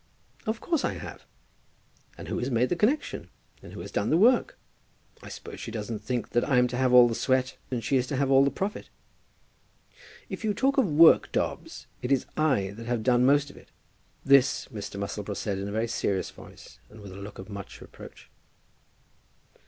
"Of course I have. And who has made the connexion; and who has done the work? I suppose she doesn't think that I'm to have all the sweat and that she is to have all the profit." "If you talk of work, Dobbs, it is I that have done the most of it." This Mr. Musselboro said in a very serious voice, and with a look of much reproach.